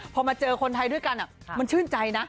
พอมาเจอคนไทยด้วยกันมันชื่นใจนะ